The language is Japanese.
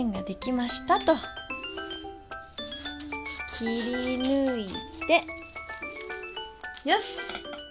切りぬいてよし！